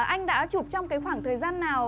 anh đã chụp trong khoảng thời gian nào